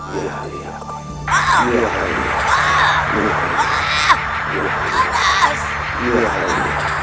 bahkan akanother sudah selesai